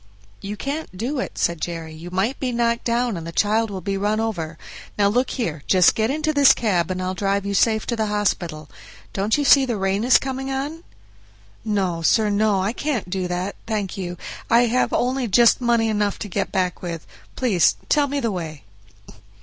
"You can't do it," said Jerry, "you might be knocked down and the child be run over. Now look here, just get into this cab, and I'll drive you safe to the hospital. Don't you see the rain is coming on?" "No, sir, no; I can't do that, thank you, I have only just money enough to get back with. Please tell me the way."